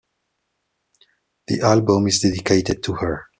The album is dedicated to her.